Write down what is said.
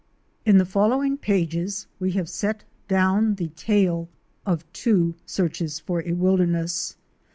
In the following pages we have set down the tale of two searches for a wilderness.